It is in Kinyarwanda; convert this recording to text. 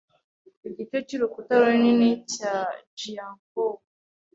Igice cy’urukuta runini cya Jiankou,